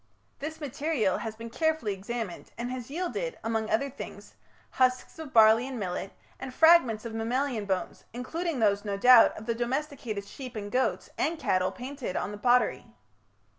This material has been carefully examined, and has yielded, among other things, husks of barley and millet, and fragments of mammalian bones, including those, no doubt, of the domesticated sheep and goats and cattle painted on the pottery.